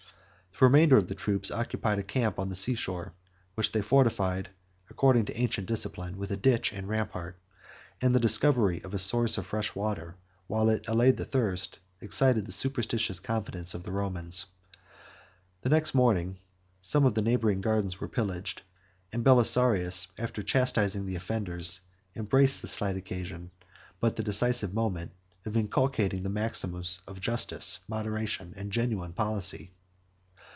The remainder of the troops occupied a camp on the sea shore, which they fortified, according to ancient discipline, with a ditch and rampart; and the discovery of a source of fresh water, while it allayed the thirst, excited the superstitious confidence, of the Romans. The next morning, some of the neighboring gardens were pillaged; and Belisarius, after chastising the offenders, embraced the slight occasion, but the decisive moment, of inculcating the maxims of justice, moderation, and genuine policy.